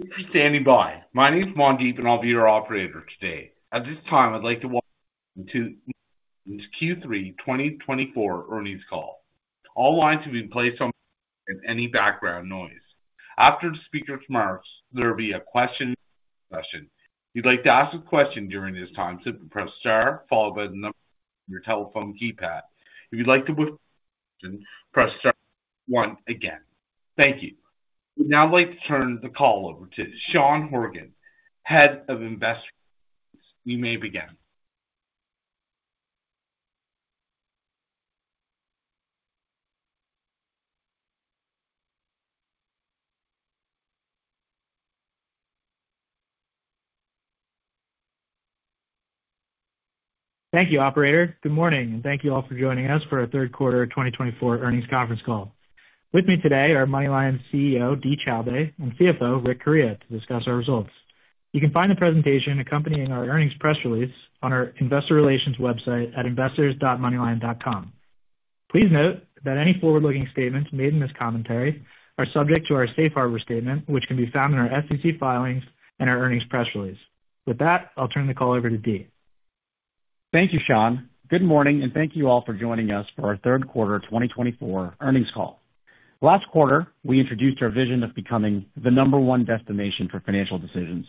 This is please stand by. My name is Juan Diep, and I'll be your operator today. At this time, I'd like to welcome you to Q3 2024 earnings call. All lines will be placed on mute and any background noise. After the speaker starts, there will be a question and answer session. If you'd like to ask a question during this time, simply press star followed by the number on your telephone keypad. If you'd like to withdraw your question, press star one again. Thank you. We'd now like to turn the call over to Sean Horgan, Head of Investor Relations. You may begin. Thank you, Operator. Good morning, and thank you all for joining us for our third quarter 2024 earnings conference call. With me today are MoneyLion CEO, Dee Choubey, and CFO, Richard Correia, to discuss our results. You can find the presentation accompanying our earnings press release on our investor relations website at investors.moneylion.com. Please note that any forward-looking statements made in this commentary are subject to our safe harbor statement, which can be found in our SEC filings and our earnings press release. With that, I'll turn the call over to Dee. Thank you, Sean. Good morning, and thank you all for joining us for our third quarter 2024 earnings call. Last quarter, we introduced our vision of becoming the number one destination for financial decisions.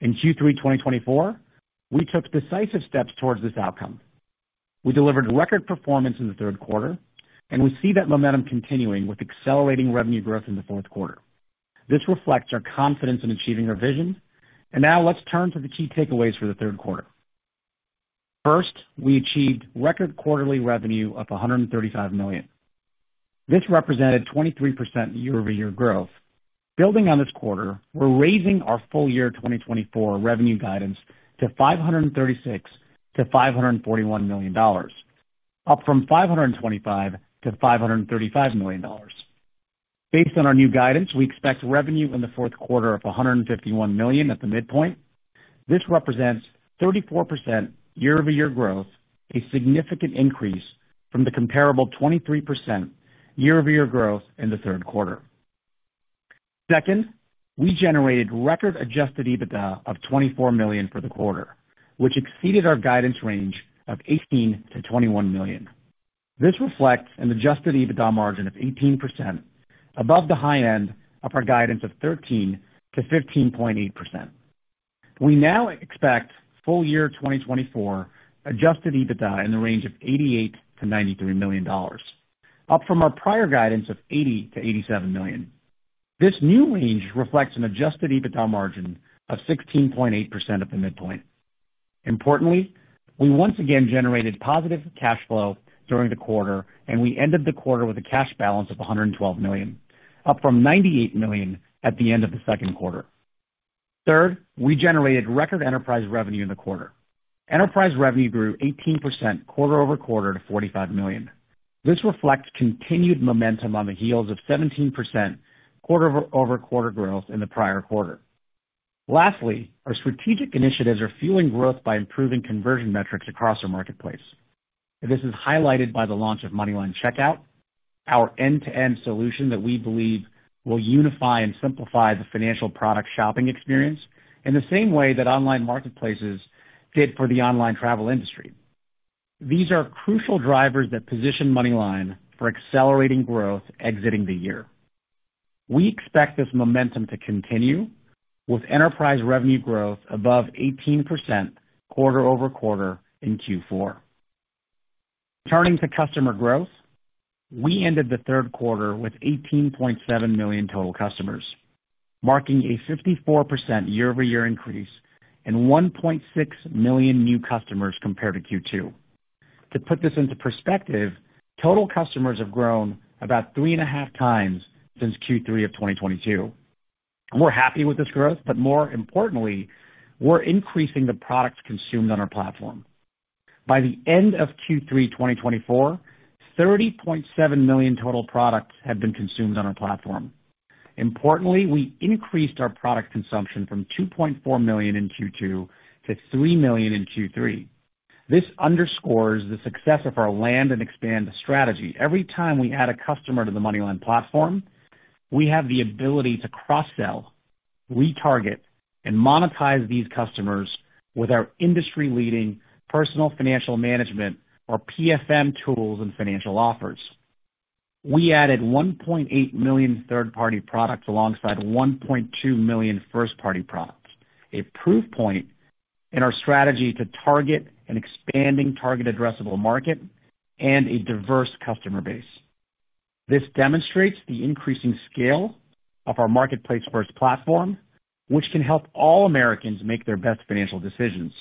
In Q3 2024, we took decisive steps towards this outcome. We delivered record performance in the third quarter, and we see that momentum continuing with accelerating revenue growth in the fourth quarter. This reflects our confidence in achieving our vision. And now let's turn to the key takeaways for the third quarter. First, we achieved record quarterly revenue of $135 million. This represented 23% year-over-year growth. Building on this quarter, we're raising our full year 2024 revenue guidance to $536-$541 million, up from $525-$535 million. Based on our new guidance, we expect revenue in the fourth quarter of $151 million at the midpoint. This represents 34% year-over-year growth, a significant increase from the comparable 23% year-over-year growth in the third quarter. Second, we generated record Adjusted EBITDA of $24 million for the quarter, which exceeded our guidance range of $18-$21 million. This reflects an Adjusted EBITDA margin of 18%, above the high end of our guidance of 13%-15.8%. We now expect full year 2024 Adjusted EBITDA in the range of $88-$93 million, up from our prior guidance of $80-$87 million. This new range reflects an Adjusted EBITDA margin of 16.8% at the midpoint. Importantly, we once again generated positive cash flow during the quarter, and we ended the quarter with a cash balance of $112 million, up from $98 million at the end of the second quarter. Third, we generated record enterprise revenue in the quarter. Enterprise revenue grew 18% quarter over quarter to $45 million. This reflects continued momentum on the heels of 17% quarter over quarter growth in the prior quarter. Lastly, our strategic initiatives are fueling growth by improving conversion metrics across our marketplace. This is highlighted by the launch of MoneyLion Checkout, our end-to-end solution that we believe will unify and simplify the financial product shopping experience in the same way that online marketplaces did for the online travel industry. These are crucial drivers that position MoneyLion for accelerating growth exiting the year. We expect this momentum to continue with enterprise revenue growth above 18% quarter over quarter in Q4. Turning to customer growth, we ended the third quarter with 18.7 million total customers, marking a 54% year-over-year increase and 1.6 million new customers compared to Q2. To put this into perspective, total customers have grown about three and a half times since Q3 of 2022. We're happy with this growth, but more importantly, we're increasing the products consumed on our platform. By the end of Q3 2024, 30.7 million total products had been consumed on our platform. Importantly, we increased our product consumption from 2.4 million in Q2 to 3 million in Q3. This underscores the success of our land and expand strategy. Every time we add a customer to the MoneyLion platform, we have the ability to cross-sell, retarget, and monetize these customers with our industry-leading personal financial management or PFM tools and financial offers. We added 1.8 million third-party products alongside 1.2 million first-party products, a proof point in our strategy to target an expanding target addressable market and a diverse customer base. This demonstrates the increasing scale of our marketplace-first platform, which can help all Americans make their best financial decisions.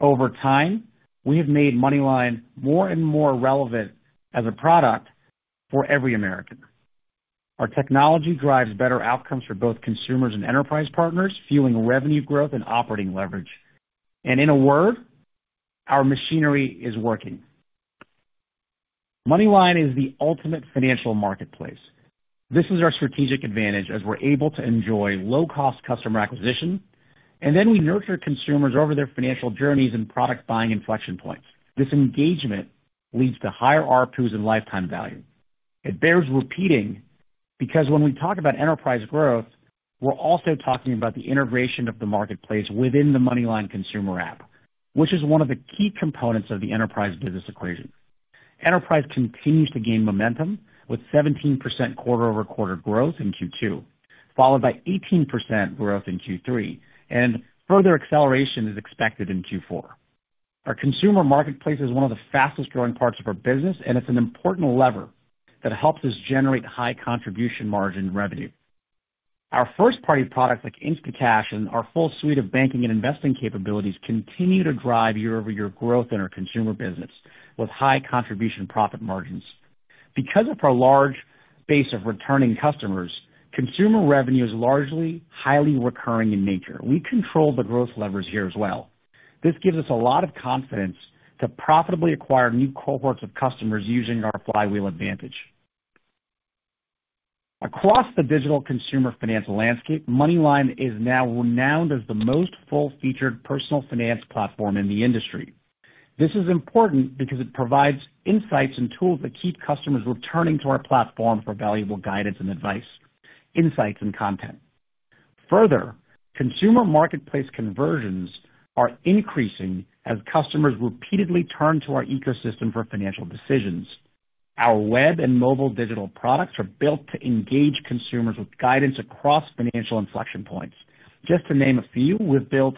Over time, we have made MoneyLion more and more relevant as a product for every American. Our technology drives better outcomes for both consumers and enterprise partners, fueling revenue growth and operating leverage, and in a word, our machinery is working. MoneyLion is the ultimate financial marketplace. This is our strategic advantage as we're able to enjoy low-cost customer acquisition, and then we nurture consumers over their financial journeys and product buying inflection points. This engagement leads to higher RPUs and lifetime value. It bears repeating because when we talk about enterprise growth, we're also talking about the integration of the marketplace within the MoneyLion consumer app, which is one of the key components of the enterprise business equation. Enterprise continues to gain momentum with 17% quarter over quarter growth in Q2, followed by 18% growth in Q3, and further acceleration is expected in Q4. Our consumer marketplace is one of the fastest growing parts of our business, and it's an important lever that helps us generate high contribution margin revenue. Our first-party products like Instacash and our full suite of banking and investing capabilities continue to drive year-over-year growth in our consumer business with high contribution profit margins. Because of our large base of returning customers, consumer revenue is largely highly recurring in nature. We control the growth levers here as well. This gives us a lot of confidence to profitably acquire new cohorts of customers using our flywheel advantage. Across the digital consumer financial landscape, MoneyLion is now renowned as the most full-featured personal finance platform in the industry. This is important because it provides insights and tools that keep customers returning to our platform for valuable guidance and advice, insights, and content. Further, consumer marketplace conversions are increasing as customers repeatedly turn to our ecosystem for financial decisions. Our web and mobile digital products are built to engage consumers with guidance across financial inflection points. Just to name a few, we've built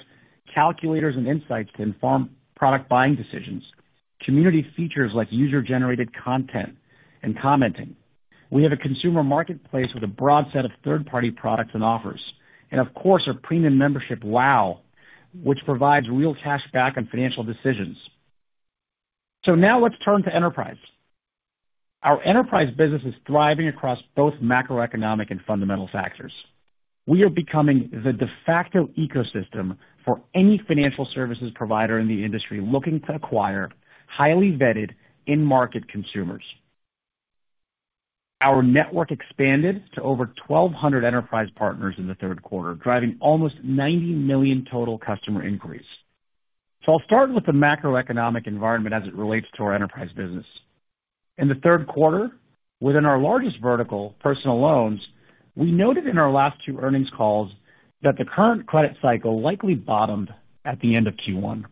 calculators and insights to inform product buying decisions, community features like user-generated content, and commenting. We have a consumer marketplace with a broad set of third-party products and offers, and of course, our premium membership, WOW, which provides real cash back on financial decisions. So now let's turn to enterprise. Our enterprise business is thriving across both macroeconomic and fundamental factors. We are becoming the de facto ecosystem for any financial services provider in the industry looking to acquire highly vetted in-market consumers. Our network expanded to over 1,200 enterprise partners in the third quarter, driving almost $90 million total customer increase. I'll start with the macroeconomic environment as it relates to our enterprise business. In the third quarter, within our largest vertical, personal loans, we noted in our last two earnings calls that the current credit cycle likely bottomed at the end of Q1.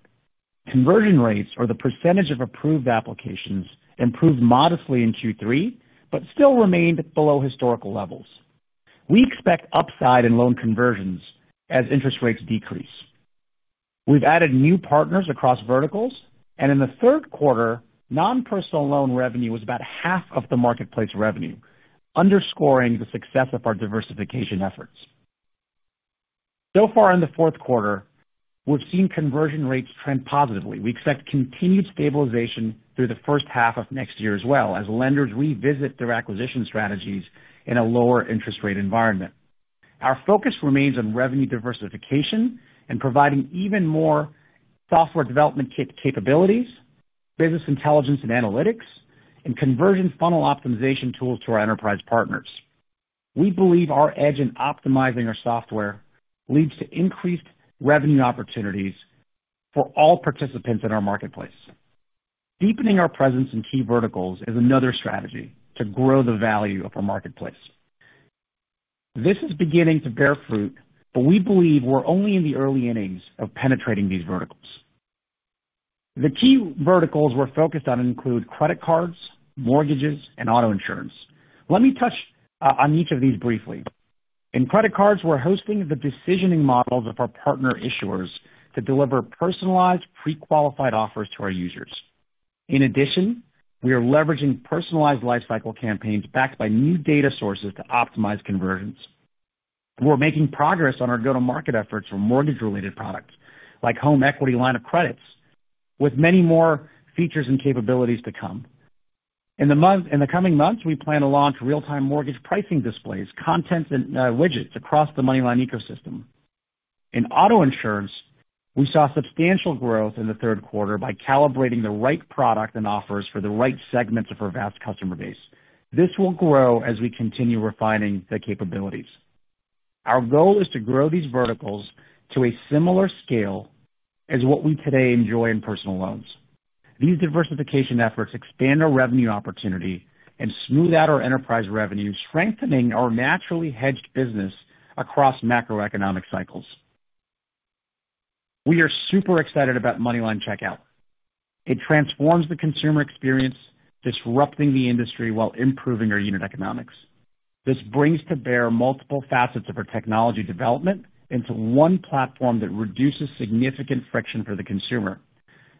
Conversion rates, or the percentage of approved applications, improved modestly in Q3 but still remained below historical levels. We expect upside in loan conversions as interest rates decrease. We've added new partners across verticals, and in the third quarter, non-personal loan revenue was about half of the marketplace revenue, underscoring the success of our diversification efforts. So far in the fourth quarter, we've seen conversion rates trend positively. We expect continued stabilization through the first half of next year as well as lenders revisit their acquisition strategies in a lower interest rate environment. Our focus remains on revenue diversification and providing even more software development capabilities, business intelligence and analytics, and conversion funnel optimization tools to our enterprise partners. We believe our edge in optimizing our software leads to increased revenue opportunities for all participants in our marketplace. Deepening our presence in key verticals is another strategy to grow the value of our marketplace. This is beginning to bear fruit, but we believe we're only in the early innings of penetrating these verticals. The key verticals we're focused on include credit cards, mortgages, and auto insurance. Let me touch on each of these briefly. In credit cards, we're hosting the decisioning models of our partner issuers to deliver personalized pre-qualified offers to our users. In addition, we are leveraging personalized lifecycle campaigns backed by new data sources to optimize conversions. We're making progress on our go-to-market efforts for mortgage-related products like home equity line of credits, with many more features and capabilities to come. In the coming months, we plan to launch real-time mortgage pricing displays, contents, and widgets across the MoneyLion ecosystem. In auto insurance, we saw substantial growth in the third quarter by calibrating the right product and offers for the right segments of our vast customer base. This will grow as we continue refining the capabilities. Our goal is to grow these verticals to a similar scale as what we today enjoy in personal loans. These diversification efforts expand our revenue opportunity and smooth out our enterprise revenue, strengthening our naturally hedged business across macroeconomic cycles. We are super excited about MoneyLion Checkout. It transforms the consumer experience, disrupting the industry while improving our unit economics. This brings to bear multiple facets of our technology development into one platform that reduces significant friction for the consumer.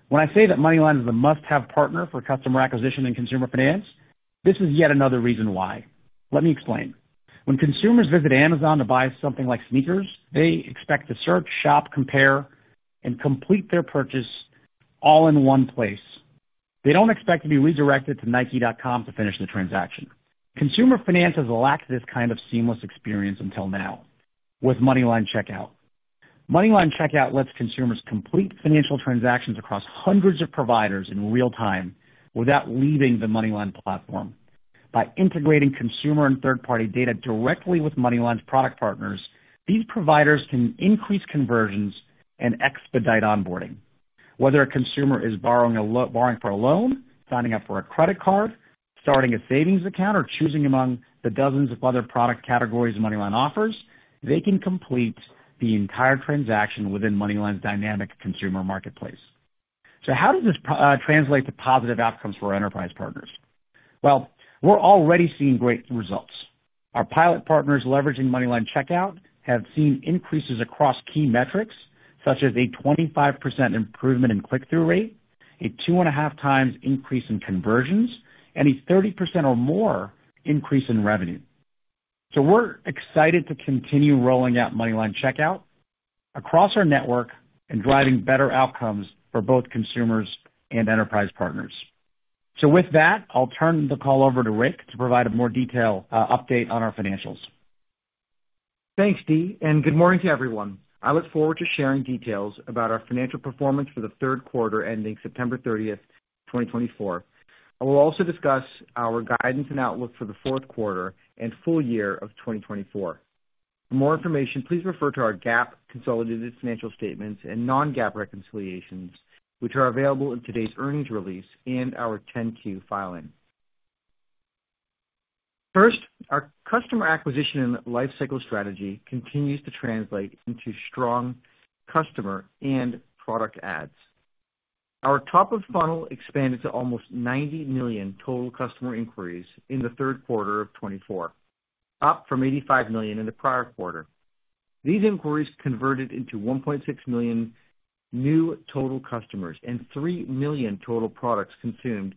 When I say that MoneyLion is a must-have partner for customer acquisition and consumer finance, this is yet another reason why. Let me explain. When consumers visit Amazon to buy something like sneakers, they expect to search, shop, compare, and complete their purchase all in one place. They don't expect to be redirected to Nike.com to finish the transaction. Consumer finance has lacked this kind of seamless experience until now with MoneyLion Checkout. MoneyLion Checkout lets consumers complete financial transactions across hundreds of providers in real time without leaving the MoneyLion platform. By integrating consumer and third-party data directly with MoneyLion's product partners, these providers can increase conversions and expedite onboarding. Whether a consumer is borrowing for a loan, signing up for a credit card, starting a savings account, or choosing among the dozens of other product categories MoneyLion offers, they can complete the entire transaction within MoneyLion's dynamic consumer marketplace. How does this translate to positive outcomes for our enterprise partners? We're already seeing great results. Our pilot partners leveraging MoneyLion Checkout have seen increases across key metrics such as a 25% improvement in click-through rate, a two and a half times increase in conversions, and a 30% or more increase in revenue. We're excited to continue rolling out MoneyLion Checkout across our network and driving better outcomes for both consumers and enterprise partners. With that, I'll turn the call over to Richard Jan. 16,2026 to provide a more detailed update on our financials. Thanks, Dee, and good morning to everyone. I look forward to sharing details about our financial performance for the third quarter ending September 30th, 2024. We'll also discuss our guidance and outlook for the fourth quarter and full year of 2024. For more information, please refer to our GAAP consolidated financial statements and non-GAAP reconciliations, which are available in today's earnings release and our 10-Q filing. First, our customer acquisition and lifecycle strategy continues to translate into strong customer and product adds. Our top-of-funnel expanded to almost 90 million total customer inquiries in the third quarter of 2024, up from 85 million in the prior quarter. These inquiries converted into 1.6 million new total customers and 3 million total products consumed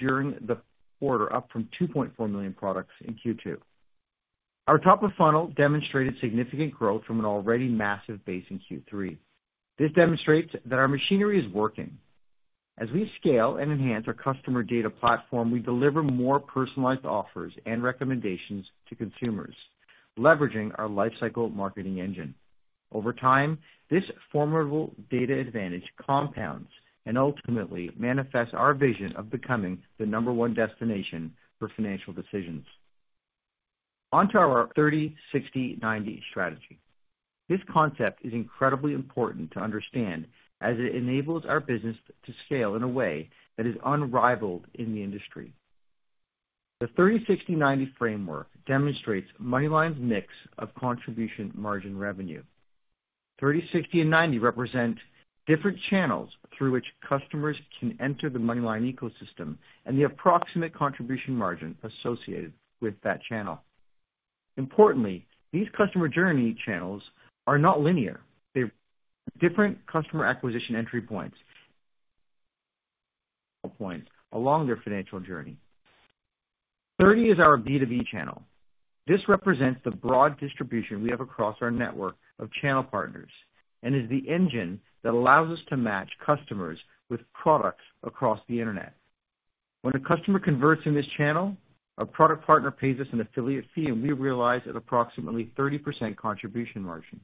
during the quarter, up from 2.4 million products in Q2. Our top-of-funnel demonstrated significant growth from an already massive base in Q3. This demonstrates that our machinery is working. As we scale and enhance our customer data platform, we deliver more personalized offers and recommendations to consumers, leveraging our lifecycle marketing engine. Over time, this formidable data advantage compounds and ultimately manifests our vision of becoming the number one destination for financial decisions. Onto our 30-60-90 strategy. This concept is incredibly important to understand as it enables our business to scale in a way that is unrivaled in the industry. The 30-60-90 framework demonstrates MoneyLion's mix of contribution margin revenue. 30, 60, and 90 represent different channels through which customers can enter the MoneyLion ecosystem and the approximate contribution margin associated with that channel. Importantly, these customer journey channels are not linear. They're different customer acquisition entry points along their financial journey. 30 is our B2B channel. This represents the broad distribution we have across our network of channel partners and is the engine that allows us to match customers with products across the internet. When a customer converts in this channel, our product partner pays us an affiliate fee, and we realize an approximately 30% contribution margin.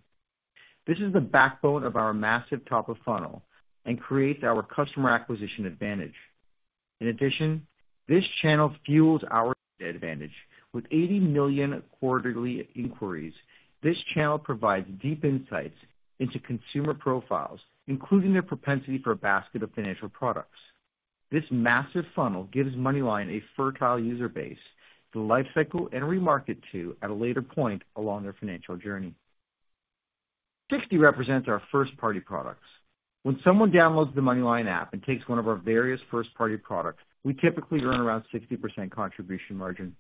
This is the backbone of our massive top-of-funnel and creates our customer acquisition advantage. In addition, this channel fuels our advantage. With 80 million quarterly inquiries, this channel provides deep insights into consumer profiles, including their propensity for a basket of financial products. This massive funnel gives MoneyLion a fertile user base to lifecycle and remarket to at a later point along their financial journey. 60 represents our first-party products. When someone downloads the MoneyLion app and takes one of our various first-party products, we typically earn around 60% contribution margin.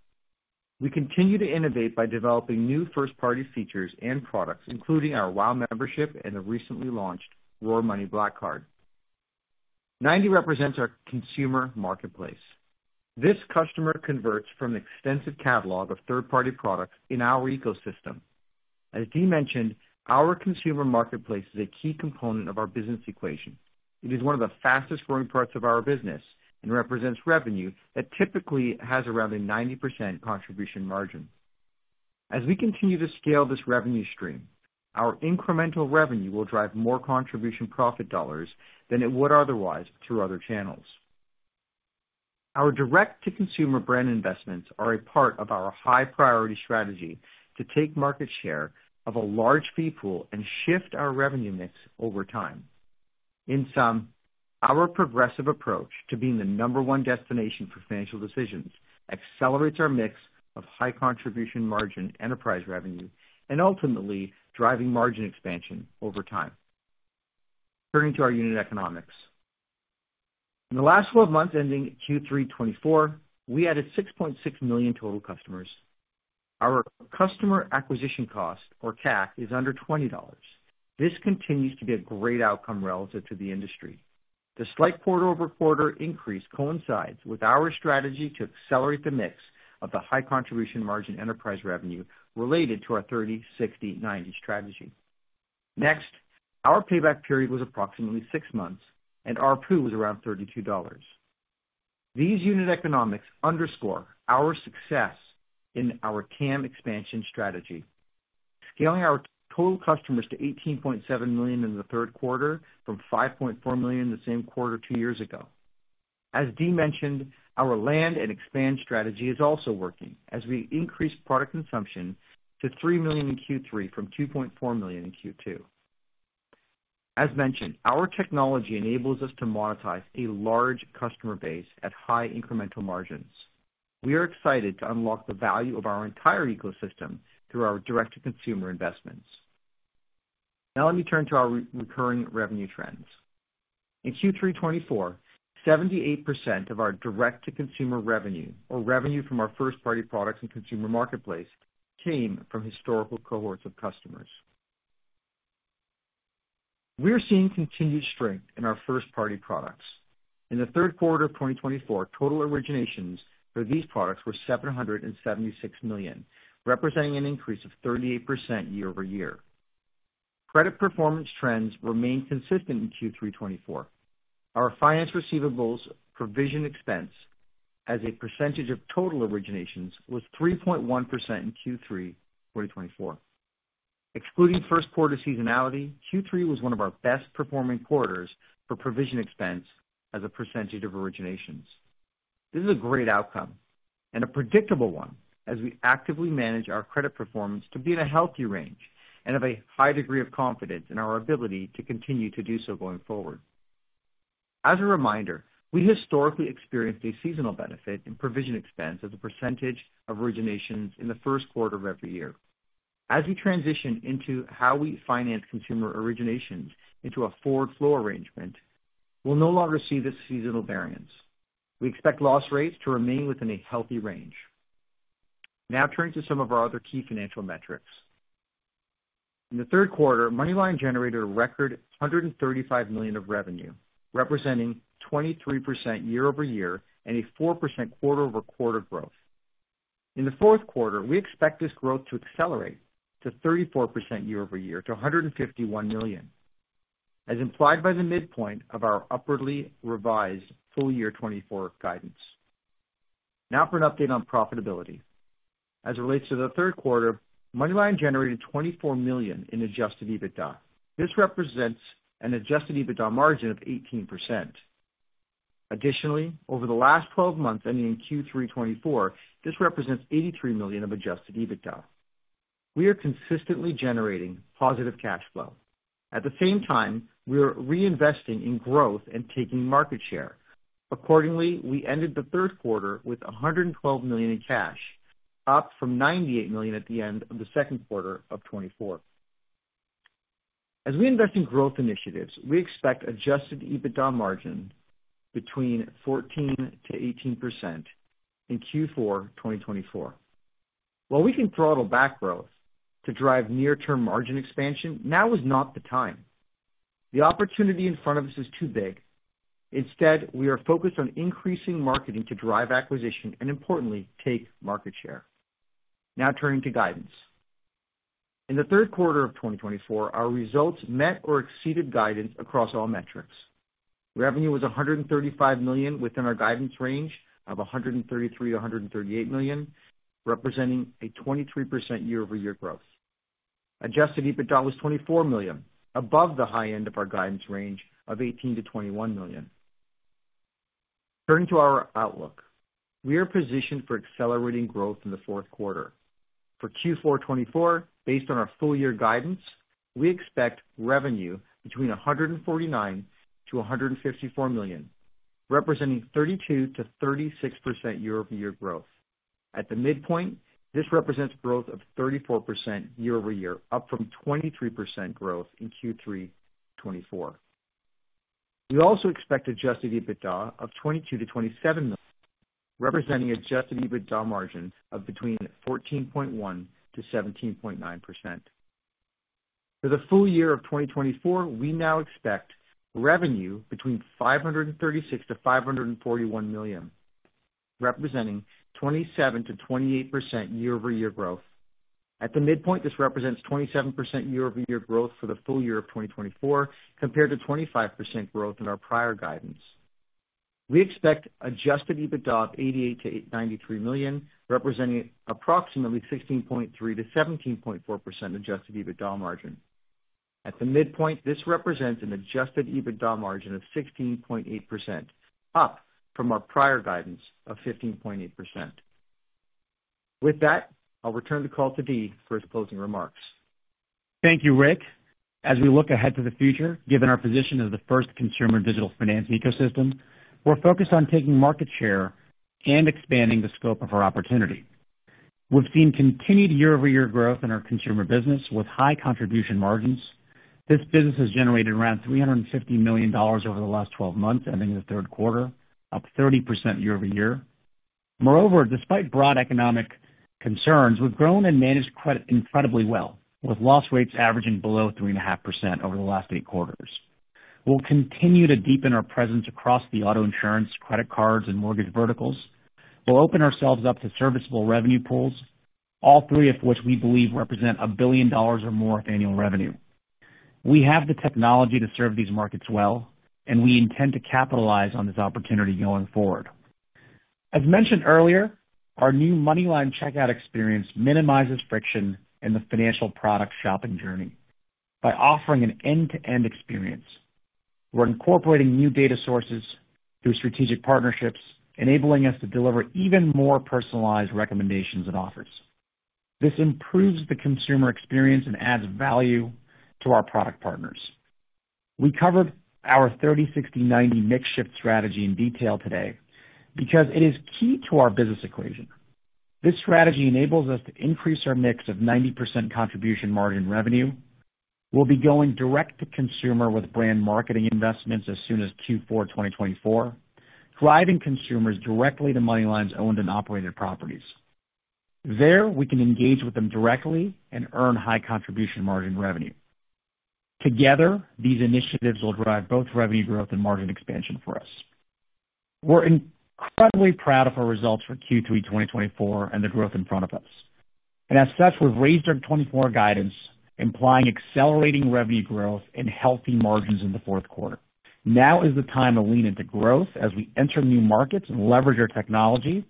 We continue to innovate by developing new first-party features and products, including our WOW membership and the recently launched RoarMoney Black Card. 90 represents our consumer marketplace. This customer converts from an extensive catalog of third-party products in our ecosystem. As Dee mentioned, our consumer marketplace is a key component of our business equation. It is one of the fastest growing parts of our business and represents revenue that typically has around a 90% contribution margin. As we continue to scale this revenue stream, our incremental revenue will drive more contribution profit dollars than it would otherwise through other channels. Our direct-to-consumer brand investments are a part of our high-priority strategy to take market share of a large fee pool and shift our revenue mix over time. In sum, our progressive approach to being the number one destination for financial decisions accelerates our mix of high contribution margin enterprise revenue and ultimately driving margin expansion over time. Turning to our unit economics. In the last 12 months ending Q3 2024, we added 6.6 million total customers. Our customer acquisition cost, or CAC, is under $20. This continues to be a great outcome relative to the industry. The slight quarter-over-quarter increase coincides with our strategy to accelerate the mix of the high contribution margin enterprise revenue related to our 30-60-90 strategy. Next, our payback period was approximately six months, and our pool was around $32. These unit economics underscore our success in our CAM expansion strategy, scaling our total customers to 18.7 million in the third quarter from 5.4 million the same quarter two years ago. As Dee mentioned, our land and expand strategy is also working as we increase product consumption to 3 million in Q3 from 2.4 million in Q2. As mentioned, our technology enables us to monetize a large customer base at high incremental margins. We are excited to unlock the value of our entire ecosystem through our direct-to-consumer investments. Now let me turn to our recurring revenue trends. In Q3 2024, 78% of our direct-to-consumer revenue, or revenue from our first-party products and consumer marketplace, came from historical cohorts of customers. We're seeing continued strength in our first-party products. In the third quarter of 2024, total originations for these products were $776 million, representing an increase of 38% year over year. Credit performance trends remained consistent in Q3 2024. Our finance receivables provision expense as a percentage of total originations was 3.1% in Q3 2024. Excluding first quarter seasonality, Q3 was one of our best-performing quarters for provision expense as a percentage of originations. This is a great outcome and a predictable one as we actively manage our credit performance to be in a healthy range and have a high degree of confidence in our ability to continue to do so going forward. As a reminder, we historically experienced a seasonal benefit in provision expense as a percentage of originations in the first quarter of every year. As we transition into how we finance consumer originations into a forward flow arrangement, we'll no longer see this seasonal variance. We expect loss rates to remain within a healthy range. Now turning to some of our other key financial metrics. In the third quarter, MoneyLion generated a record $135 million of revenue, representing 23% year over year and a 4% quarter-over-quarter growth. In the fourth quarter, we expect this growth to accelerate to 34% year over year to $151 million, as implied by the midpoint of our upwardly revised full year 2024 guidance. Now for an update on profitability. As it relates to the third quarter, MoneyLion generated $24 million in adjusted EBITDA. This represents an adjusted EBITDA margin of 18%. Additionally, over the last 12 months ending in Q3 2024, this represents $83 million of adjusted EBITDA. We are consistently generating positive cash flow. At the same time, we are reinvesting in growth and taking market share. Accordingly, we ended the third quarter with $112 million in cash, up from $98 million at the end of the second quarter of 2024. As we invest in growth initiatives, we expect adjusted EBITDA margin between 14% and 18% in Q4 2024. While we can throttle back growth to drive near-term margin expansion, now is not the time. The opportunity in front of us is too big. Instead, we are focused on increasing marketing to drive acquisition and, importantly, take market share. Now turning to guidance. In the third quarter of 2024, our results met or exceeded guidance across all metrics. Revenue was $135 million within our guidance range of $133-$138 million, representing a 23% year-over-year growth. Adjusted EBITDA was $24 million, above the high end of our guidance range of $18-$21 million. Turning to our outlook, we are positioned for accelerating growth in the fourth quarter. For Q4 2024, based on our full year guidance, we expect revenue between $149-$154 million, representing 32%-36% year-over-year growth. At the midpoint, this represents growth of 34% year-over-year, up from 23% growth in Q3 2024. We also expect Adjusted EBITDA of 22% to 27%, representing Adjusted EBITDA margin of between 14.1% to 17.9%. For the full year of 2024, we now expect revenue between $536 million to $541 million, representing 27% to 28% year-over-year growth. At the midpoint, this represents 27% year-over-year growth for the full year of 2024, compared to 25% growth in our prior guidance. We expect Adjusted EBITDA of $88 million to $93 million, representing approximately 16.3% to 17.4% Adjusted EBITDA margin. At the midpoint, this represents an Adjusted EBITDA margin of 16.8%, up from our prior guidance of 15.8%. With that, I'll return the call to Dee for his closing remarks. Thank you, Richard. As we look ahead to the future, given our position as the first consumer digital finance ecosystem, we're focused on taking market share and expanding the scope of our opportunity. We've seen continued year-over-year growth in our consumer business with high contribution margins. This business has generated around $350 million over the last 12 months, ending the third quarter up 30% year-over-year. Moreover, despite broad economic concerns, we've grown and managed credit incredibly well, with loss rates averaging below 3.5% over the last eight quarters. We'll continue to deepen our presence across the auto insurance, credit cards, and mortgage verticals. We'll open ourselves up to serviceable revenue pools, all three of which we believe represent $1 billion or more of annual revenue. We have the technology to serve these markets well, and we intend to capitalize on this opportunity going forward. As mentioned earlier, our new MoneyLion Checkout experience minimizes friction in the financial product shopping journey by offering an end-to-end experience. We're incorporating new data sources through strategic partnerships, enabling us to deliver even more personalized recommendations and offers. This improves the consumer experience and adds value to our product partners. We covered our 30-60-90 mix shift strategy in detail today because it is key to our business equation. This strategy enables us to increase our mix of 90% contribution margin revenue. We'll be going direct to consumer with brand marketing investments as soon as Q4 2024, driving consumers directly to MoneyLion's owned and operated properties. There, we can engage with them directly and earn high contribution margin revenue. Together, these initiatives will drive both revenue growth and margin expansion for us. We're incredibly proud of our results for Q3 2024 and the growth in front of us. And as such, we've raised our 2024 guidance, implying accelerating revenue growth and healthy margins in the fourth quarter. Now is the time to lean into growth as we enter new markets and leverage our technology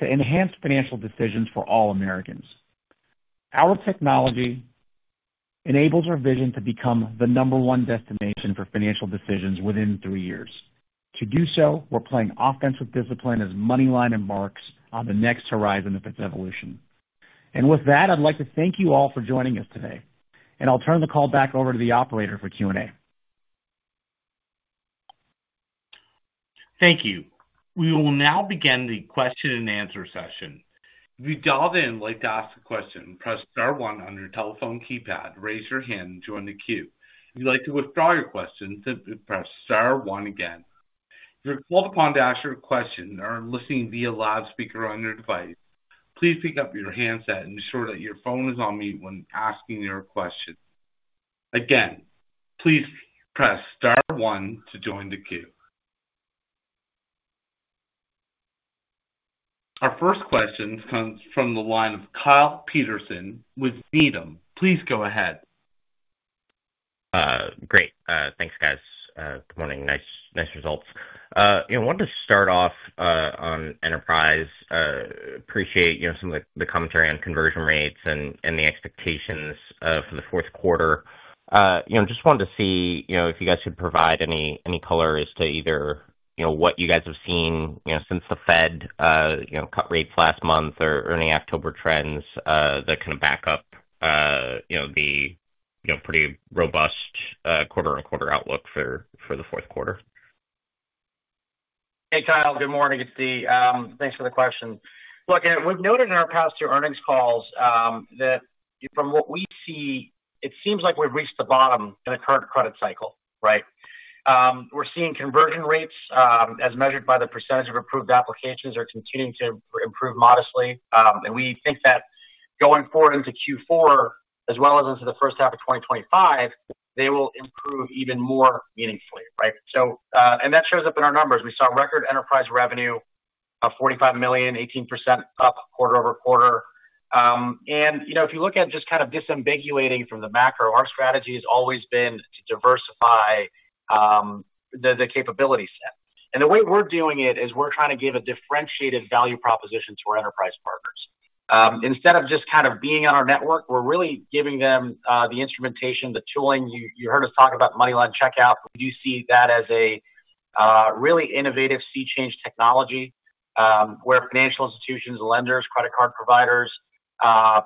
to enhance financial decisions for all Americans. Our technology enables our vision to become the number one destination for financial decisions within three years. To do so, we're playing offense with discipline as MoneyLion embarks on the next horizon of its evolution. And with that, I'd like to thank you all for joining us today. And I'll turn the call back over to the operator for Q&A. Thank you. We will now begin the question and answer session. If you dialed in, you'd like to ask a question, press star one on your telephone keypad, raise your hand, and join the queue. If you'd like to withdraw your question, press star one again. If you're called upon to ask your question or are listening via loudspeaker on your device, please pick up your handset and ensure that your phone is on mute when asking your question. Again, please press star one to join the queue. Our first question comes from the line of Kyle Peterson with Needham. Please go ahead. Great. Thanks, guys. Good morning. Nice results. I wanted to start off on enterprise. Appreciate some of the commentary on conversion rates and the expectations for the fourth quarter. Just wanted to see if you guys could provide any colors to either what you guys have seen since the Fed cut rates last month or any October trends that kind of back up the pretty robust quarter-on-quarter outlook for the fourth quarter. Hey, Kyle. Good morning. It's Dee. Thanks for the question. Look, we've noted in our past two earnings calls that from what we see, it seems like we've reached the bottom in the current credit cycle, right? We're seeing conversion rates as measured by the percentage of approved applications are continuing to improve modestly. And we think that going forward into Q4, as well as into the first half of 2025, they will improve even more meaningfully, right? And that shows up in our numbers. We saw record enterprise revenue of $45 million, 18% up quarter-over-quarter. And if you look at just kind of disambiguating from the macro, our strategy has always been to diversify the capability set. And the way we're doing it is we're trying to give a differentiated value proposition to our enterprise partners. Instead of just kind of being on our network, we're really giving them the instrumentation, the tooling. You heard us talk about MoneyLion Checkout. We do see that as a really innovative sea-change technology where financial institutions, lenders, credit card providers,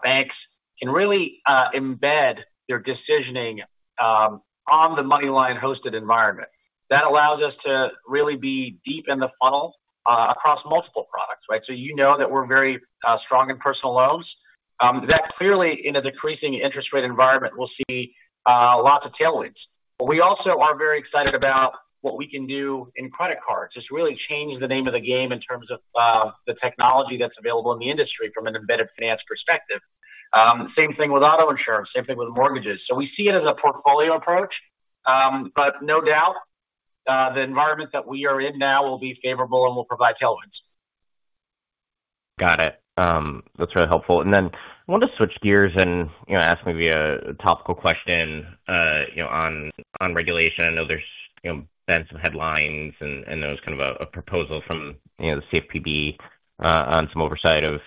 banks can really embed their decisioning on the MoneyLion-hosted environment. That allows us to really be deep in the funnel across multiple products, right? So you know that we're very strong in personal loans. That clearly, in a decreasing interest rate environment, we'll see lots of tailwinds. We also are very excited about what we can do in credit cards. It's really changed the name of the game in terms of the technology that's available in the industry from an embedded finance perspective. Same thing with auto insurance, same thing with mortgages. So we see it as a portfolio approach, but no doubt the environment that we are in now will be favorable and will provide tailwinds. Got it. That's really helpful. And then I wanted to switch gears and ask maybe a topical question on regulation. I know there's been some headlines and there was kind of a proposal from the CFPB on some oversight of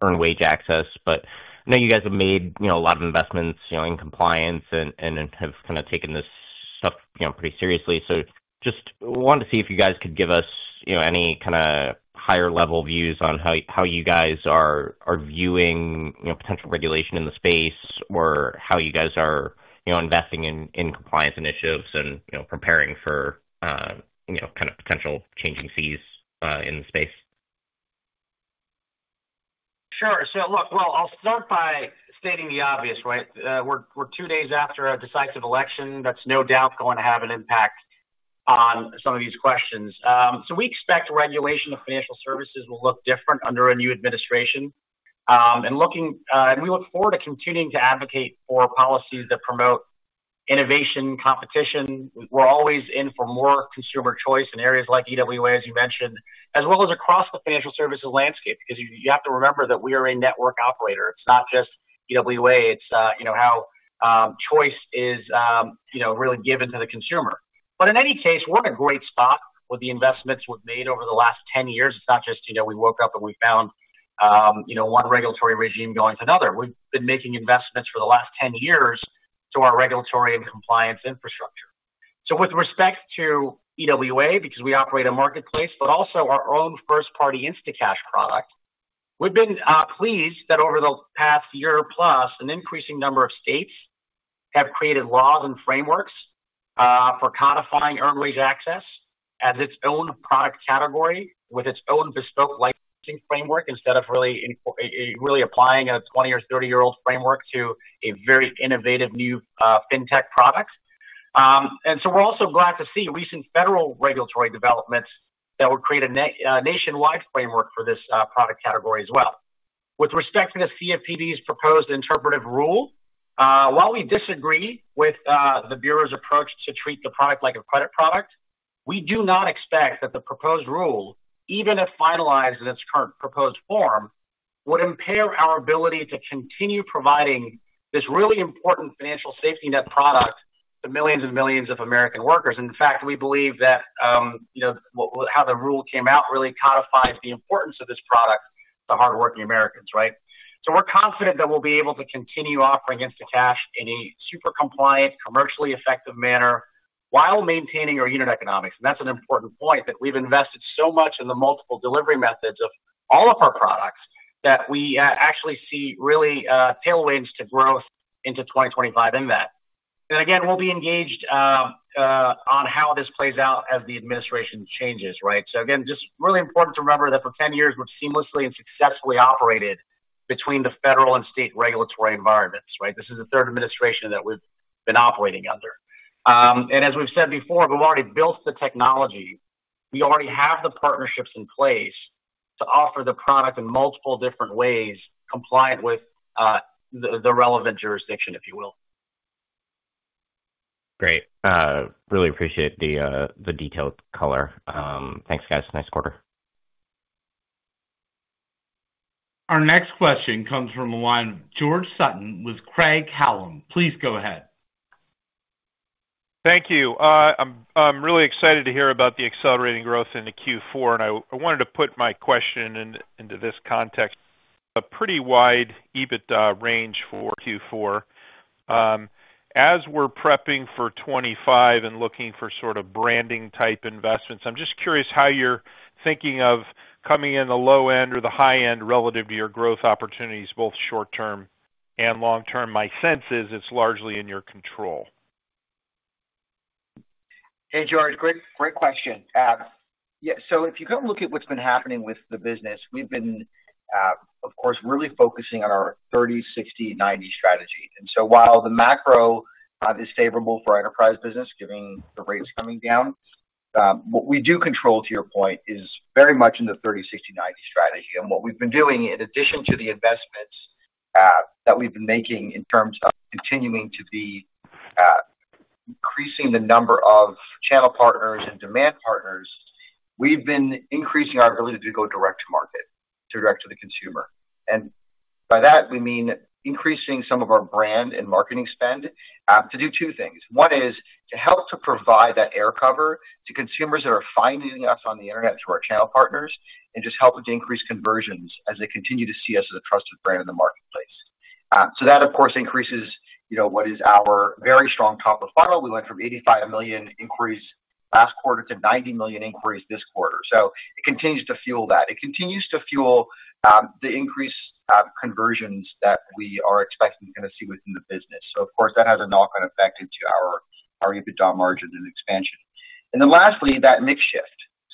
earned wage access. But I know you guys have made a lot of investments in compliance and have kind of taken this stuff pretty seriously. So just wanted to see if you guys could give us any kind of higher-level views on how you guys are viewing potential regulation in the space or how you guys are investing in compliance initiatives and preparing for kind of potential changing seas in the space. Sure. So look, well, I'll start by stating the obvious, right? We're two days after a decisive election. That's no doubt going to have an impact on some of these questions. We expect regulation of financial services will look different under a new administration. We look forward to continuing to advocate for policies that promote innovation, competition. We're always in for more consumer choice in areas like EWA, as you mentioned, as well as across the financial services landscape because you have to remember that we are a network operator. It's not just EWA. It's how choice is really given to the consumer. In any case, we're in a great spot with the investments we've made over the last 10 years. It's not just we woke up and we found one regulatory regime going to another. We've been making investments for the last 10 years to our regulatory and compliance infrastructure. So with respect to EWA, because we operate a marketplace, but also our own first-party Instacash product, we've been pleased that over the past year plus, an increasing number of states have created laws and frameworks for codifying earned wage access as its own product category with its own bespoke licensing framework instead of really applying a 20- or 30-year-old framework to a very innovative new fintech product. And so we're also glad to see recent federal regulatory developments that will create a nationwide framework for this product category as well. With respect to the CFPB's proposed interpretive rule, while we disagree with the Bureau's approach to treat the product like a credit product, we do not expect that the proposed rule, even if finalized in its current proposed form, would impair our ability to continue providing this really important financial safety net product to millions and millions of American workers. In fact, we believe that how the rule came out really codifies the importance of this product to hardworking Americans, right? So we're confident that we'll be able to continue offering Instacash in a super compliant, commercially effective manner while maintaining our unit economics. And that's an important point that we've invested so much in the multiple delivery methods of all of our products that we actually see really tailwinds to growth into 2025 in that. And again, we'll be engaged on how this plays out as the administration changes, right? So again, just really important to remember that for 10 years, we've seamlessly and successfully operated between the federal and state regulatory environments, right? This is the third administration that we've been operating under. And as we've said before, we've already built the technology. We already have the partnerships in place to offer the product in multiple different ways compliant with the relevant jurisdiction, if you will. Great. Really appreciate the detailed color. Thanks, guys. Nice quarter. Our next question comes from the line of George Sutton with Craig-Hallum. Please go ahead. Thank you. I'm really excited to hear about the accelerating growth in Q4. And I wanted to put my question into this context. A pretty wide EBITDA range for Q4. As we're prepping for 2025 and looking for sort of branding-type investments, I'm just curious how you're thinking of coming in the low end or the high end relative to your growth opportunities, both short-term and long-term. My sense is it's largely in your control. Hey, George. Great question. Yeah. So if you kind of look at what's been happening with the business, we've been, of course, really focusing on our 30-60-90 strategy. And so while the macro is favorable for enterprise business, given the rates coming down, what we do control, to your point, is very much in the 30-60-90 strategy. And what we've been doing, in addition to the investments that we've been making in terms of continuing to be increasing the number of channel partners and demand partners, we've been increasing our ability to go direct to market, to direct to the consumer. And by that, we mean increasing some of our brand and marketing spend to do two things. One is to help to provide that air cover to consumers that are finding us on the internet through our channel partners and just helping to increase conversions as they continue to see us as a trusted brand in the marketplace. So that, of course, increases what is our very strong top of funnel. We went from 85 million inquiries last quarter to 90 million inquiries this quarter. So it continues to fuel that. It continues to fuel the increased conversions that we are expecting to kind of see within the business. So, of course, that has a knock-on effect into our EBITDA margin and expansion. And then lastly, that mix shift.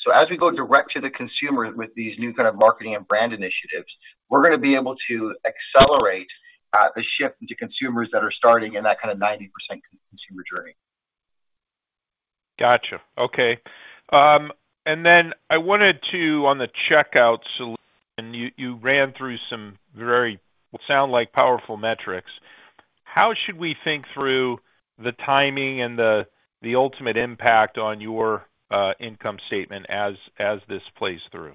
So as we go direct to the consumer with these new kind of marketing and brand initiatives, we're going to be able to accelerate the shift into consumers that are starting in that kind of 90% consumer journey. Gotcha. Okay. And then I wanted to, on the Checkout solution, you ran through some very sounding like powerful metrics. How should we think through the timing and the ultimate impact on your income statement as this plays through?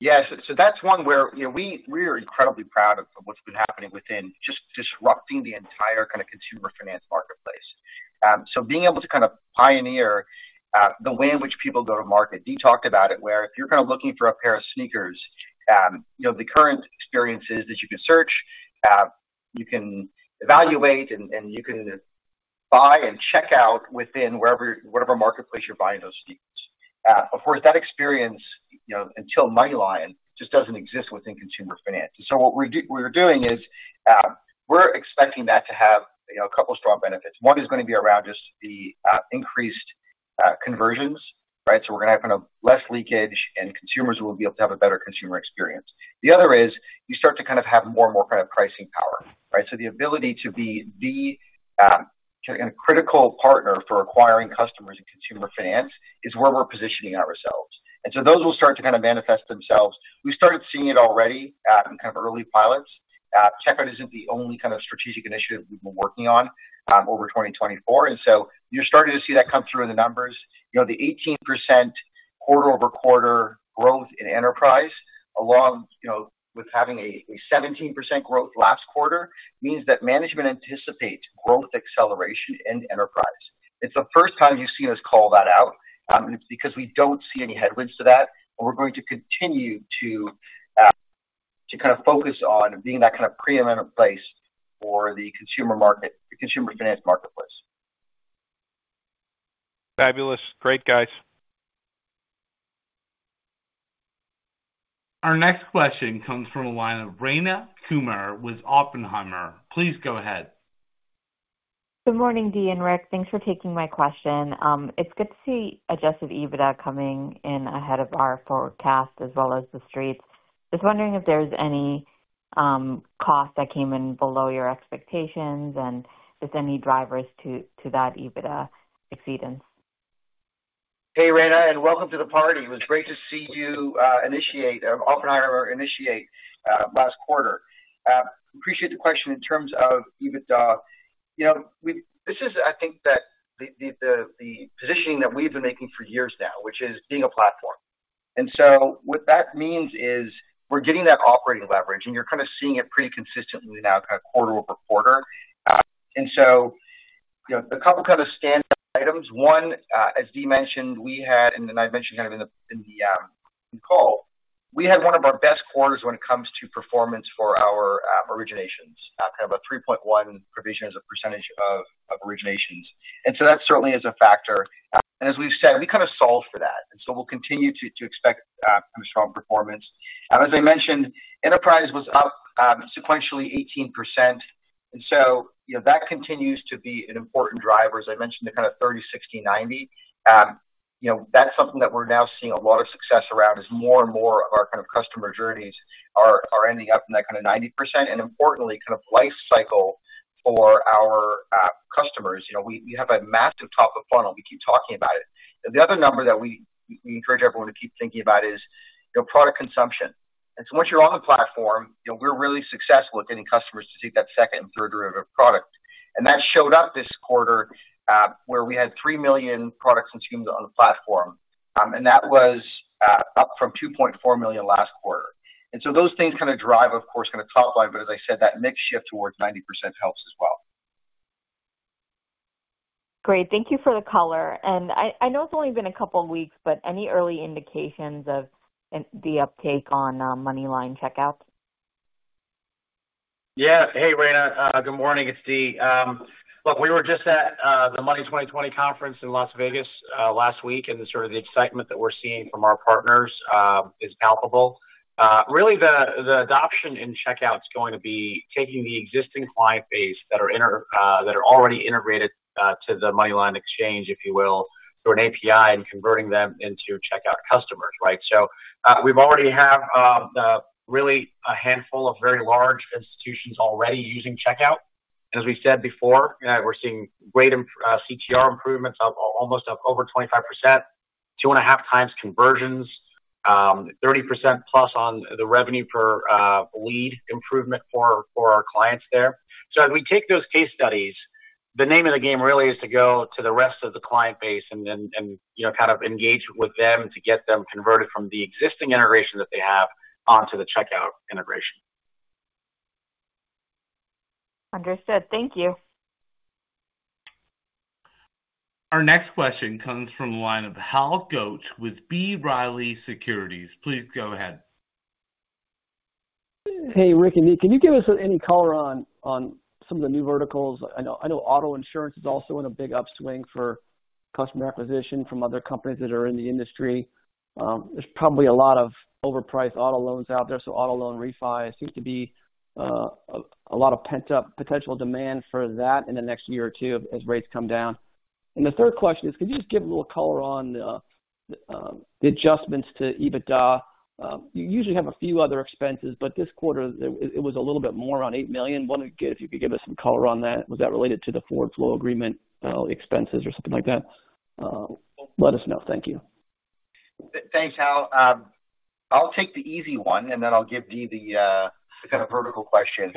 Yes. So that's one where we are incredibly proud of what's been happening within just disrupting the entire kind of consumer finance marketplace. So being able to kind of pioneer the way in which people go to market. Dee talked about it, where if you're kind of looking for a pair of sneakers, the current experience is that you can search, you can evaluate, and you can buy and Checkout within wherever marketplace you're buying those sneakers. Of course, that experience, until MoneyLion, just doesn't exist within consumer finance, and so what we're doing is we're expecting that to have a couple of strong benefits. One is going to be around just the increased conversions, right, so we're going to have kind of less leakage, and consumers will be able to have a better consumer experience. The other is you start to kind of have more and more kind of pricing power, right, so the ability to be the critical partner for acquiring customers in consumer finance is where we're positioning ourselves, and so those will start to kind of manifest themselves. We started seeing it already in kind of early pilots. Checkout isn't the only kind of strategic initiative we've been working on over 2024. And so you're starting to see that come through in the numbers. The 18% quarter-over-quarter growth in enterprise along with having a 17% growth last quarter means that management anticipates growth acceleration in enterprise. It's the first time you've seen us call that out because we don't see any headwinds to that. And we're going to continue to kind of focus on being that kind of preeminent place for the consumer market, the consumer finance marketplace. Fabulous. Great, guys. Our next question comes from the line of Rayna Kumar with Oppenheimer. Please go ahead. Good morning, Dee and Richard. Thanks for taking my question. It's good to see Adjusted EBITDA coming in ahead of our forecast as well as the Street's. Just wondering if there's any cost that came in below your expectations and if there's any drivers to that EBITDA exceedance. Hey, Rayna, and welcome to the party. It was great to see you initiate, Oppenheimer initiate last quarter. Appreciate the question in terms of EBITDA. This is, I think, that the positioning that we've been making for years now, which is being a platform. And so what that means is we're getting that operating leverage, and you're kind of seeing it pretty consistently now kind of quarter over quarter. And so a couple of kind of standard items. One, as Dee mentioned, we had, and I mentioned kind of in the call, we had one of our best quarters when it comes to performance for our originations, kind of a 3.1% provision as a percentage of originations. And so that certainly is a factor. As we've said, we kind of solved for that. We'll continue to expect kind of strong performance. As I mentioned, enterprise was up sequentially 18%. That continues to be an important driver. As I mentioned, the kind of 30, 60, 90, that's something that we're now seeing a lot of success around as more and more of our kind of customer journeys are ending up in that kind of 90%. Importantly, kind of lifecycle for our customers. We have a massive top of funnel. We keep talking about it. The other number that we encourage everyone to keep thinking about is product consumption. Once you're on the platform, we're really successful at getting customers to take that second and third row of product. That showed up this quarter where we had 3 million products consumed on the platform. And that was up from 2.4 million last quarter. And so those things kind of drive, of course, kind of top line. But as I said, that mix shift towards 90% helps as well. Great. Thank you for the color. And I know it's only been a couple of weeks, but any early indications of the uptake on MoneyLion Checkout? Yeah. Hey, Rayna. Good morning. It's Dee. Look, we were just at the Money20/20 conference in Las Vegas last week, and sort of the excitement that we're seeing from our partners is palpable. Really, the adoption in Checkout is going to be taking the existing client base that are already integrated to the MoneyLion exchange, if you will, through an API and converting them into Checkout customers, right? So we already have really a handful of very large institutions already using Checkout. As we said before, we're seeing great CTR improvements of almost over 25%, two and a half times conversions, 30% plus on the revenue per lead improvement for our clients there. As we take those case studies, the name of the game really is to go to the rest of the client base and kind of engage with them to get them converted from the existing integration that they have onto the checkout integration. Understood. Thank you. Our next question comes from the line of Hal Goetsch with B. Riley Securities. Please go ahead. Hey, Rick and Dee, can you give us any color on some of the new verticals? I know auto insurance is also in a big upswing for customer acquisition from other companies that are in the industry. There's probably a lot of overpriced auto loans out there. Auto loan refis seem to be a lot of potential demand for that in the next year or two as rates come down. And the third question is, could you just give a little color on the adjustments to EBITDA? You usually have a few other expenses, but this quarter, it was a little bit more around $8 million. If you could give us some color on that, was that related to the forward flow agreement expenses or something like that? Let us know. Thank you. Thanks, Hal. I'll take the easy one, and then I'll give Dee the kind of vertical question.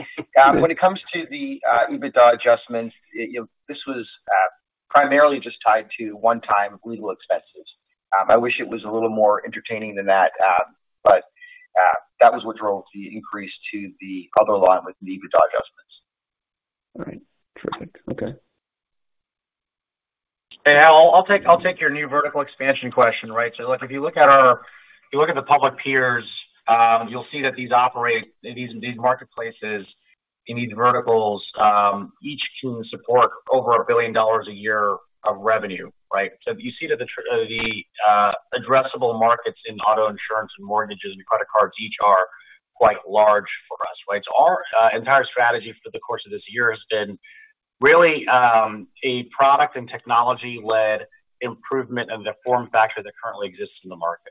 When it comes to the EBITDA adjustments, this was primarily just tied to one-time legal expenses. I wish it was a little more entertaining than that, but that was what drove the increase to the other line with the EBITDA adjustments. All right. Terrific. Okay. I'll take your new vertical expansion question, right? So if you look at our public peers, you'll see that these marketplaces in these verticals each can support over $1 billion a year of revenue, right? So you see that the addressable markets in auto insurance and mortgages and credit cards each are quite large for us, right? So our entire strategy for the course of this year has been really a product and technology-led improvement of the form factor that currently exists in the market,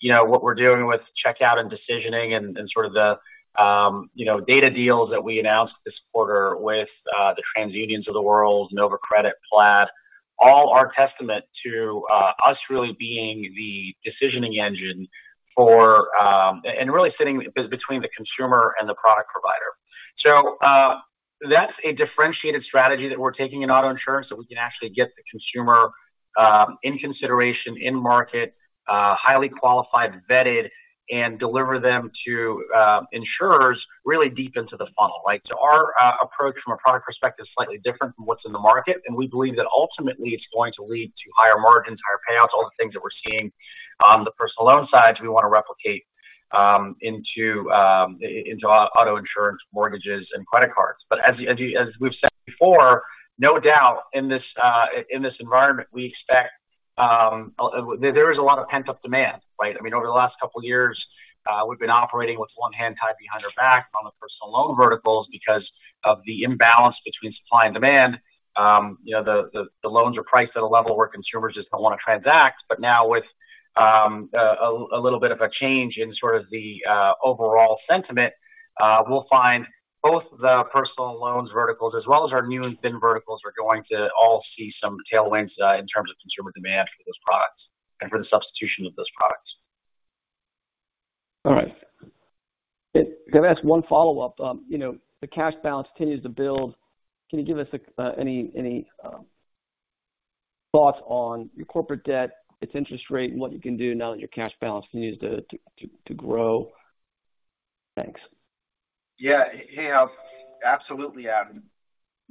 right? So again, what we're doing with Checkout and decisioning and sort of the data deals that we announced this quarter with the TransUnion of the world, Nova Credit, Plaid, all are testament to us really being the decisioning engine for and really sitting between the consumer and the product provider. So that's a differentiated strategy that we're taking in auto insurance so we can actually get the consumer in consideration, in market, highly qualified, vetted, and deliver them to insurers really deep into the funnel, right? So our approach from a product perspective is slightly different from what's in the market. And we believe that ultimately it's going to lead to higher margins, higher payouts, all the things that we're seeing on the personal loan side we want to replicate into auto insurance, mortgages, and credit cards. But as we've said before, no doubt in this environment, we expect there is a lot of pent-up demand, right? I mean, over the last couple of years, we've been operating with one hand tied behind our back on the personal loan verticals because of the imbalance between supply and demand. The loans are priced at a level where consumers just don't want to transact. But now with a little bit of a change in sort of the overall sentiment, we'll find both the personal loans verticals as well as our new and thin verticals are going to all see some tailwinds in terms of consumer demand for those products and for the substitution of those products. All right. Can I ask one follow-up? The cash balance continues to build. Can you give us any thoughts on your corporate debt, its interest rate, and what you can do now that your cash balance continues to grow? Thanks. Yeah. Hey, Hal. Absolutely, Hal.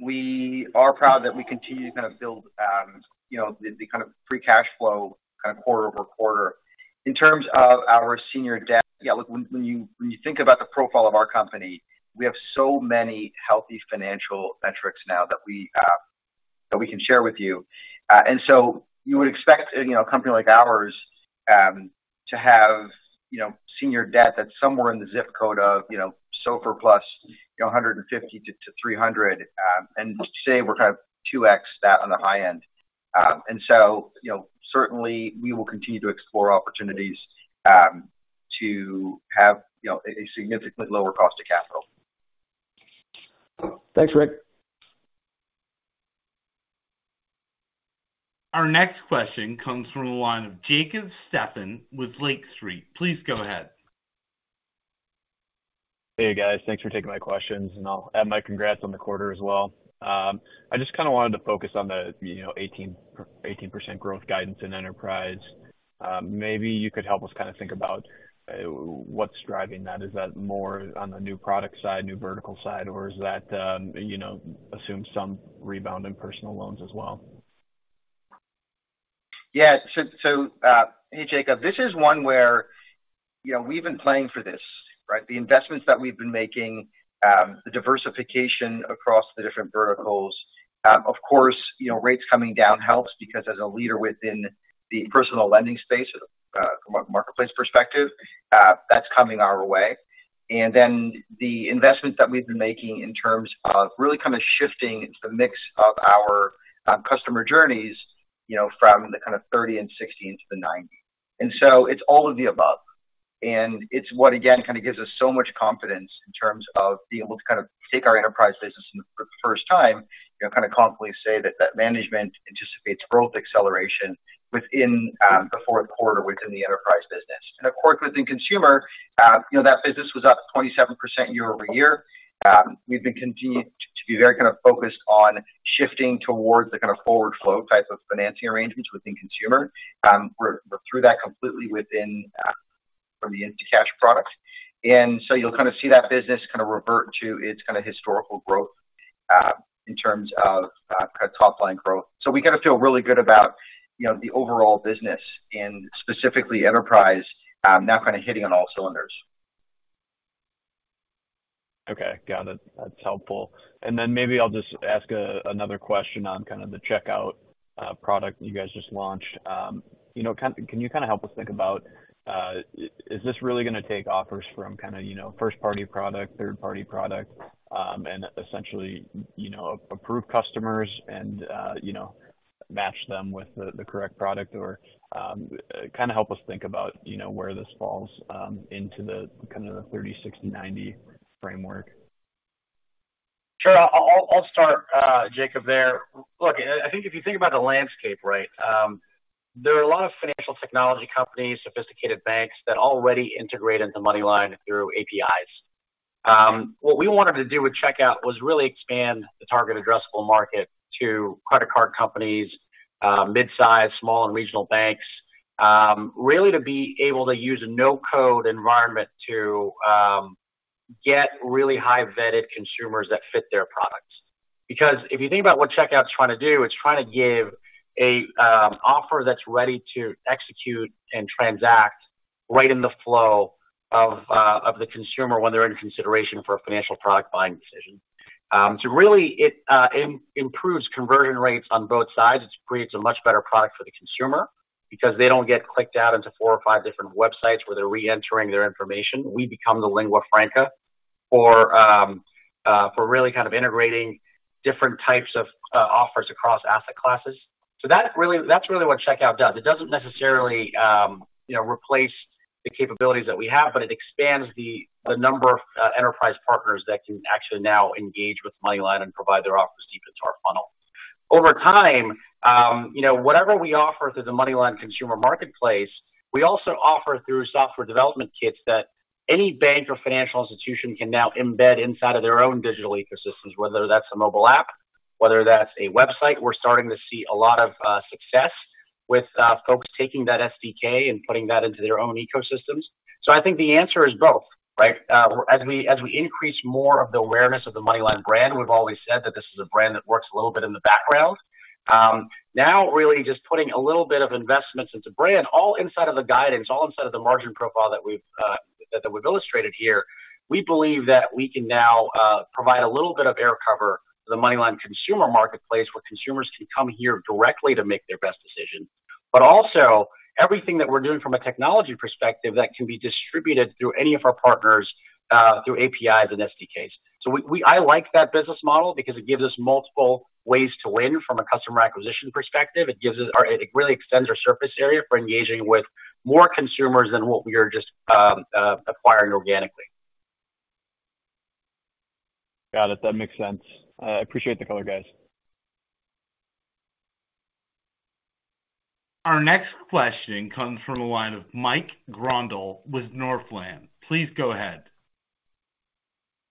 We are proud that we continue to kind of build the kind of free cash flow kind of quarter over quarter. In terms of our senior debt, yeah, look, when you think about the profile of our company, we have so many healthy financial metrics now that we can share with you. And so you would expect a company like ours to have senior debt that's somewhere in the zip code of SOFR plus 150-300, and say we're kind of 2x that on the high end. And so certainly, we will continue to explore opportunities to have a significantly lower cost of capital. Thanks, Richard. Our next question comes from the line of Jacob Stephan with Lake Street. Please go ahead. Hey, guys. Thanks for taking my questions, and I'll add my congrats on the quarter as well. I just kind of wanted to focus on the 18% growth guidance in enterprise. Maybe you could help us kind of think about what's driving that. Is that more on the new product side, new vertical side, or does that assume some rebound in personal loans as well? Yeah, so hey, Jacob, this is one where we've been playing for this, right? The investments that we've been making, the diversification across the different verticals. Of course, rates coming down helps because as a leader within the personal lending space, from a marketplace perspective, that's coming our way. And then the investments that we've been making in terms of really kind of shifting the mix of our customer journeys from the kind of 30 and 60 into the 90, and so it's all of the above. And it's what, again, kind of gives us so much confidence in terms of being able to kind of take our enterprise business for the first time, kind of confidently say that that management anticipates growth acceleration within the fourth quarter within the enterprise business. And of course, within consumer, that business was up 27% year over year. We've been continuing to be very kind of focused on shifting towards the kind of forward flow type of financing arrangements within consumer. We're through that completely from the cash product. And so you'll kind of see that business kind of revert to its kind of historical growth in terms of kind of top line growth. So we kind of feel really good about the overall business and specifically enterprise now kind of hitting on all cylinders. Okay. Got it. That's helpful. Then maybe I'll just ask another question on kind of the Checkout product you guys just launched. Can you kind of help us think about is this really going to take offers from kind of first-party product, third-party product, and essentially approved customers and match them with the correct product, or kind of help us think about where this falls into the kind of 30, 60, 90 framework? Sure. I'll start, Jacob, there. Look, I think if you think about the landscape, right, there are a lot of financial technology companies, sophisticated banks that already integrate into MoneyLion through APIs. What we wanted to do with Checkout was really expand the target addressable market to credit card companies, mid-size, small, and regional banks, really to be able to use a no-code environment to get really high-vetted consumers that fit their products. Because if you think about what Checkout's trying to do, it's trying to give an offer that's ready to execute and transact right in the flow of the consumer when they're in consideration for a financial product buying decision. So really, it improves conversion rates on both sides. It creates a much better product for the consumer because they don't get clicked out into four or five different websites where they're re-entering their information. We become the lingua franca for really kind of integrating different types of offers across asset classes. So that's really what Checkout does. It doesn't necessarily replace the capabilities that we have, but it expands the number of enterprise partners that can actually now engage with MoneyLion and provide their offers deep into our funnel. Over time, whatever we offer through the MoneyLion consumer marketplace, we also offer through software development kits that any bank or financial institution can now embed inside of their own digital ecosystems, whether that's a mobile app, whether that's a website. We're starting to see a lot of success with folks taking that SDK and putting that into their own ecosystems. So I think the answer is both, right? As we increase more of the awareness of the MoneyLion brand, we've always said that this is a brand that works a little bit in the background. Now, really just putting a little bit of investments into brand, all inside of the guidance, all inside of the margin profile that we've illustrated here, we believe that we can now provide a little bit of air cover to the MoneyLion consumer marketplace where consumers can come here directly to make their best decision, but also everything that we're doing from a technology perspective that can be distributed through any of our partners through APIs and SDKs. So I like that business model because it gives us multiple ways to win from a customer acquisition perspective. It really extends our surface area for engaging with more consumers than what we are just acquiring organically. Got it. That makes sense. I appreciate the call, guys. Our next question comes from the line of Mike Grondahl with Northland. Please go ahead.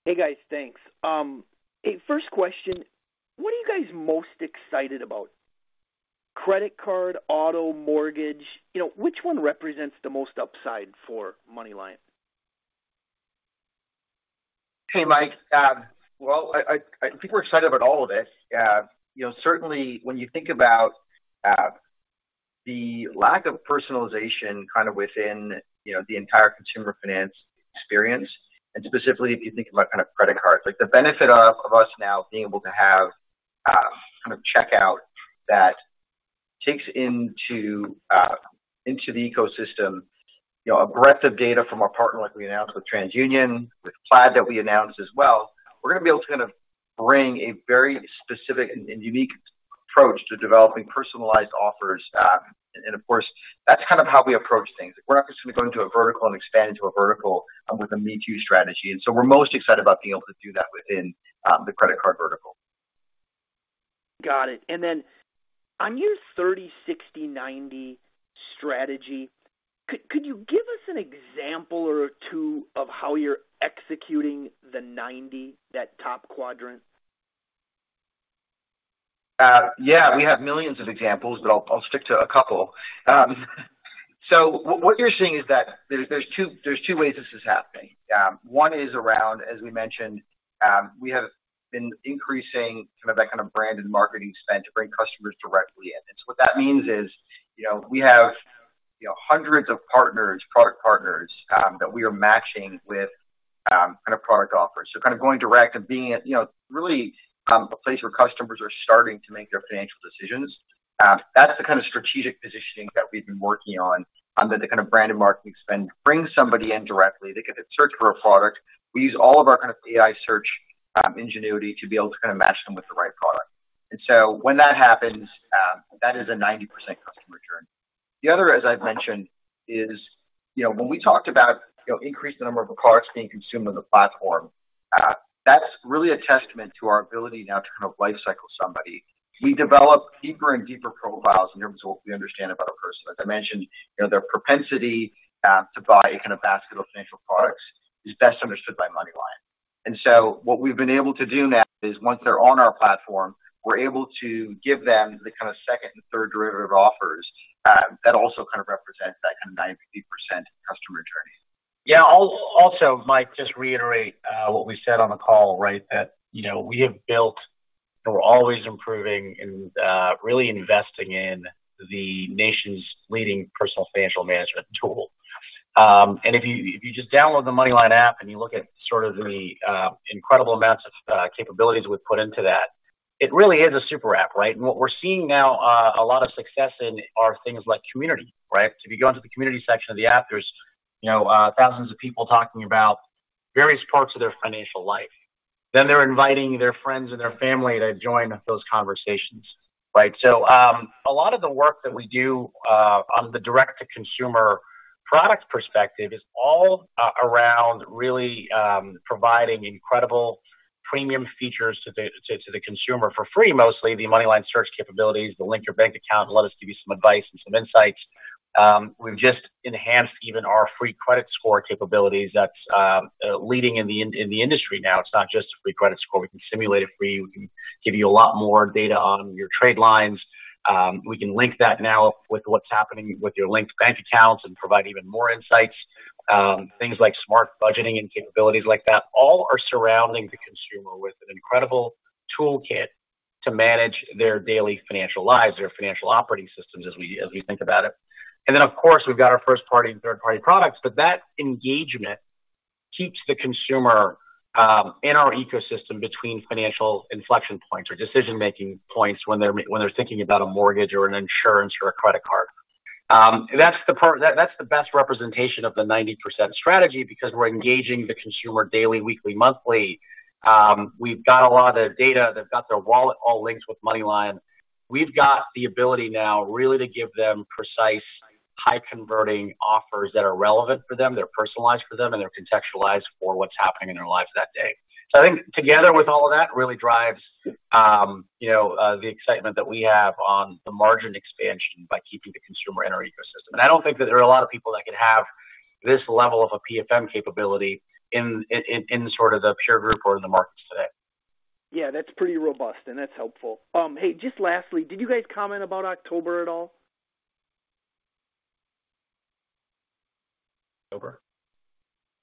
Hey, guys. Thanks. First question, what are you guys most excited about? Credit card, auto, mortgage? Which one represents the most upside for MoneyLion? Hey, Mike. Well, I think we're excited about all of it. Certainly, when you think about the lack of personalization kind of within the entire consumer finance experience, and specifically if you think about kind of credit cards, the benefit of us now being able to have kind of Checkout that takes into the ecosystem a breadth of data from our partner, like we announced with TransUnion, with Plaid that we announced as well. We're going to be able to kind of bring a very specific and unique approach to developing personalized offers. And of course, that's kind of how we approach things. We're not just going to go into a vertical and expand into a vertical with a me-too strategy. And so we're most excited about being able to do that within the credit card vertical. Got it. And then on your 30, 60, 90 strategy, could you give us an example or two of how you're executing the 90, that top quadrant? Yeah. We have millions of examples, but I'll stick to a couple. So what you're seeing is that there's two ways this is happening. One is around, as we mentioned, we have been increasing kind of that kind of branded marketing spend to bring customers directly in. And so what that means is we have hundreds of partners, product partners that we are matching with kind of product offers. So kind of going direct and being really a place where customers are starting to make their financial decisions. That's the kind of strategic positioning that we've been working on, on the kind of branded marketing spend. Bring somebody in directly. They can search for a product. We use all of our kind of AI search ingenuity to be able to kind of match them with the right product. And so when that happens, that is a 90% customer journey. The other, as I've mentioned, is when we talked about increasing the number of products being consumed on the platform. That's really a testament to our ability now to kind of life cycle somebody. We develop deeper and deeper profiles in terms of what we understand about a person. As I mentioned, their propensity to buy a kind of basket of financial products is best understood by MoneyLion. And so what we've been able to do now is once they're on our platform, we're able to give them the kind of second and third derivative offers that also kind of represent that kind of 90% customer journey. Yeah. Also, Mike, just reiterate what we said on the call, right, that we have built and we're always improving and really investing in the nation's leading personal financial management tool. And if you just download the MoneyLion app and you look at sort of the incredible amounts of capabilities we've put into that, it really is a super app, right? And what we're seeing now a lot of success in are things like community, right? If you go into the community section of the app, there's thousands of people talking about various parts of their financial life. Then they're inviting their friends and their family to join those conversations, right? A lot of the work that we do on the direct-to-consumer product perspective is all around really providing incredible premium features to the consumer for free, mostly the MoneyLion search capabilities, the link your bank account, let us give you some advice and some insights. We've just enhanced even our free credit score capabilities. That's leading in the industry now. It's not just a free credit score. We can simulate it for you. We can give you a lot more data on your trade lines. We can link that now with what's happening with your linked bank accounts and provide even more insights. Things like smart budgeting and capabilities like that all are surrounding the consumer with an incredible toolkit to manage their daily financial lives, their financial operating systems as we think about it. And then, of course, we've got our first-party and third-party products, but that engagement keeps the consumer in our ecosystem between financial inflection points or decision-making points when they're thinking about a mortgage or an insurance or a credit card. That's the best representation of the 90% strategy because we're engaging the consumer daily, weekly, monthly. We've got a lot of data. They've got their wallet all linked with MoneyLion. We've got the ability now really to give them precise, high-converting offers that are relevant for them, that are personalized for them, and they're contextualized for what's happening in their lives that day. So I think together with all of that really drives the excitement that we have on the margin expansion by keeping the consumer in our ecosystem. And I don't think that there are a lot of people that can have this level of a PFM capability in sort of the peer group or in the markets today. Yeah. That's pretty robust, and that's helpful. Hey, just lastly, did you guys comment about October at all? October?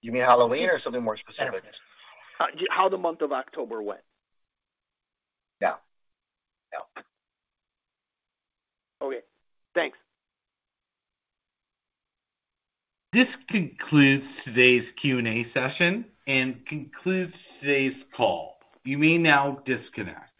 You mean Halloween or something more specific? How the month of October went? No. No. Okay. Thanks. This concludes today's Q&A session and concludes today's call. You may now disconnect.